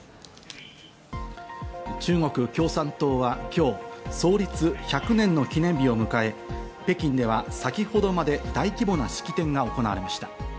中国共産党は今日、創立１００年の記念日を迎え、北京では先ほどまで大規模な式典が行われました。